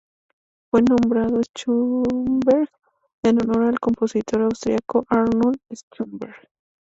Fue nombrado Schoenberg en honor al compositor austríaco Arnold Schoenberg.